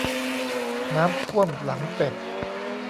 น้ำท่วมหลังเป็ด